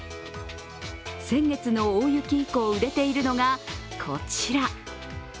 先月の大雪以降、売れているのがこちら。